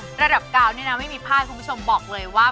ระดับกาวนี่นะไม่มีพลาดคุณผู้ชมบอกเลยว่า